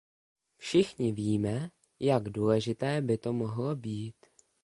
Všichni víme, jak důležité by to mohlo být.